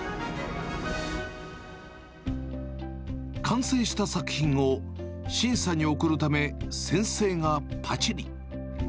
完成した作品を審査に送るため、先生がぱちり。